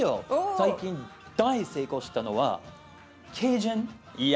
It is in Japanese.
最近大成功したのは何？